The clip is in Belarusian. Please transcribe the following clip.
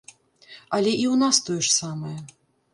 Але і ў нас тое ж самае.